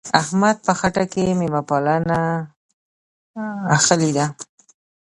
احمد په خټه کې مېلمه پالنه اخښلې ده.